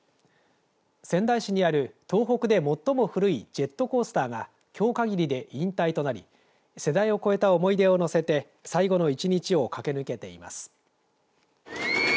仙台市にある東北で最も古いジェットコースターがきょう限りで引退となり世代を超えた思い出を乗せて最後の一日を駆け抜けています。